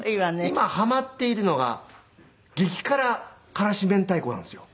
今ハマっているのが激辛からしめんたいこなんですよ。